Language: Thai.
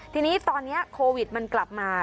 ทีนี้ตอนนี้โควิดมันกลับมา